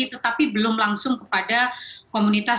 tetapi belum langsung kepada komunitas